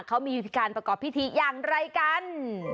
เขามีวิธีการประกอบพิธีอย่างไรกัน